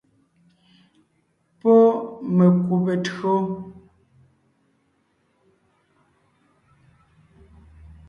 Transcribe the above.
Pɔ́ mekùbe tÿǒ.